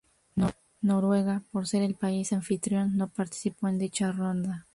Noruega, por ser el país anfitrión, no participó en dicha ronda.